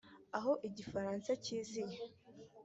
Aho Igifaransa kiziye